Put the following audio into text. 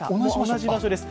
同じ場所です。